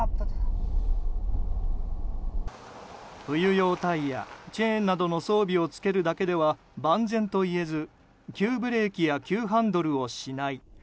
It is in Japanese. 冬用タイヤ、チェーンなどの装備を着けるだけでは万全といえず、急ブレーキや急ハンドルをしない。